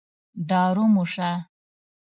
دارو موسه.